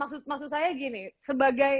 maksud saya gini sebagai